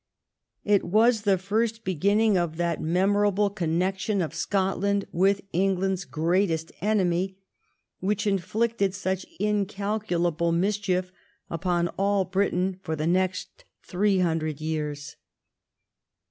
It Avas the first beginnins; of that memor 186 EDWARD I chap. able connection of Scotland with England's greatest enemy, which inflicted such incalculable mischief upon all Britain for the next three hundred years.